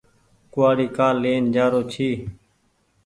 ڪوُوآڙي ڪآ لين جآرو ڇي۔